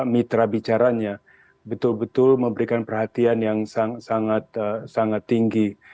mitra bicaranya betul betul memberikan perhatian yang sangat sangat tinggi